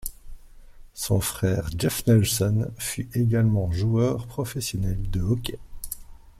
Son frère Jeff Nelson fut également joueur professionnel de hockey.